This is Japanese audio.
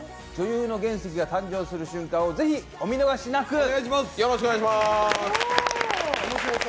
女優の原石が誕生する瞬間をぜひお見逃しなく。